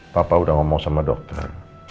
papa udah ngomong sama dokter